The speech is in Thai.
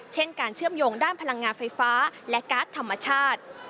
เช่นการเชื่อมโยงด้านพลังงานไฟฟ้าและการ์ดธรรมชาติ